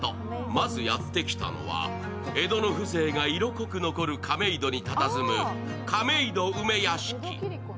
まずやって来たのは、江戸の風情が色濃く残る亀戸にたたずむ亀戸梅屋敷。